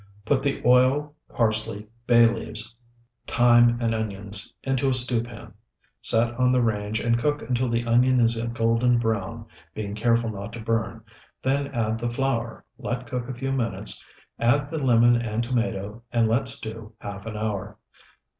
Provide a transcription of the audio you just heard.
Put the oil, parsley, bay leaves, thyme, and onions into a stew pan, set on the range and cook until the onion is a golden brown, being careful not to burn; then add the flour, let cook a few minutes, add the lemon and tomato, and let stew half an hour.